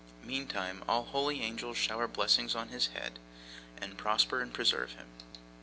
Meantime, all holy angels shower blessings on his head, and prosper and preserve him.